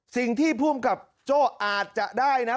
สิ่งที่ภูมิกับโจ้อาจจะได้นะ